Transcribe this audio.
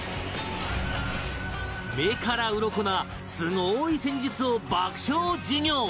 目からウロコなすごい戦術を爆笑授業